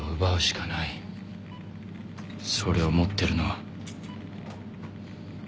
それを持ってるのは。